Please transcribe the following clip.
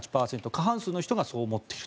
過半数の人がそう思っている。